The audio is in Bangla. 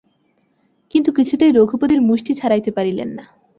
কিন্তু কিছুতেই রঘুপতির মুষ্টি ছাড়াইতে পারিলেন না।